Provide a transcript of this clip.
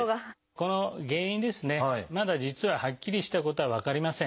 この原因ですねまだ実ははっきりしたことは分かりません。